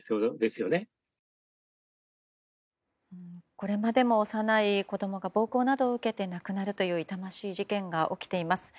これまでも幼い子供が暴行などを受けて亡くなるという痛ましい事件が起きています。